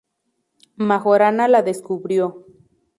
Majorana la descubrió.